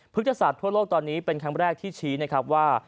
ศาสตร์ทั่วโลกตอนนี้เป็นครั้งแรกที่ชี้นะครับว่า